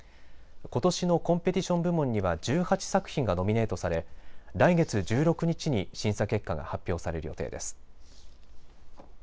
ことしのコンペティション部門には１８作品がノミネートされ来月１６日に審査結果が発表される予定です。